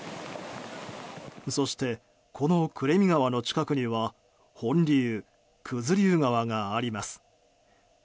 そして、この暮見川の近くには本流・九頭竜川があります。